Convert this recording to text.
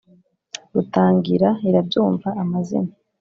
Rutangira irabyumva ,amazina